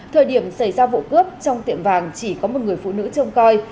thời điểm xảy ra vụ cướp trong tiệm vàng chỉ có một người phụ nữ trông coi